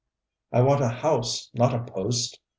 'I want a house, not a post!'